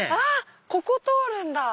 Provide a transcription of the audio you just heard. ここ通るんだ。